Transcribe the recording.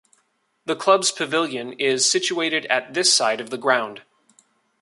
The clubs pavilion is situated at this side of the ground.